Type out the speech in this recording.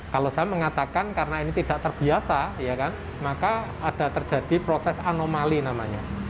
kalau saya mengatakan karena ini tidak terbiasa maka ada terjadi proses anomali namanya